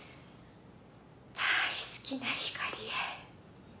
大好きなひかりへ。